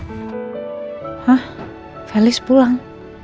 hah felis pulang